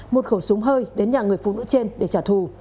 một khẩu súng hơi đến nhà người phụ nữ trên để trả thù